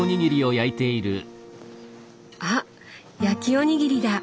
あ焼きおにぎりだ！